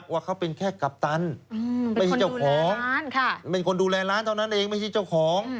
ว่าเขาเป็นแค่กัปตันเป็นคนดูแลร้านเท่านั้นเองไม่ใช่เจ้าของ